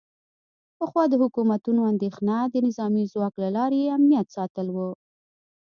پخوا د حکومتونو اندیښنه د نظامي ځواک له لارې د امنیت ساتل و